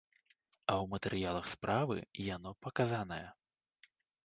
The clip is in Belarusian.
А ў матэрыялах справы яно паказанае.